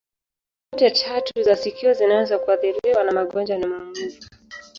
Sehemu zote tatu za sikio zinaweza kuathiriwa na magonjwa na maumivu.